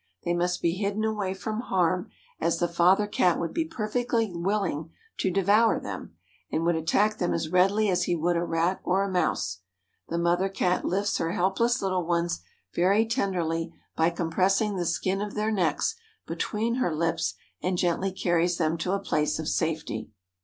They must be hidden away from harm, as the father Cat would be perfectly willing to devour them, and would attack them as readily as he would a rat or a mouse. The mother Cat lifts her helpless little ones very tenderly by compressing the skin of their necks between her lips and gently carries them to a place of safety.